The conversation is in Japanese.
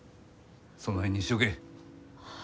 その辺にしちょけ。